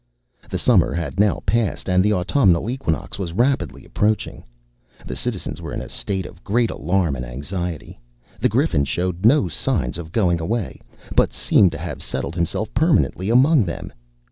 The summer had now passed, and the autumnal equinox was rapidly approaching. The citizens were in a state of great alarm and anxiety. The Griffin showed no signs of going away, but seemed to have settled himself permanently among them.